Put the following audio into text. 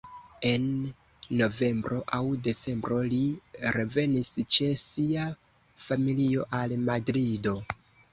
En novembro aŭ decembro li revenis ĉe sia familio al Madrido.